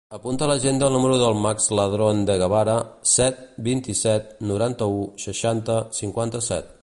Apunta a l'agenda el número del Max Ladron De Guevara: set, vint-i-set, noranta-u, seixanta, cinquanta-set.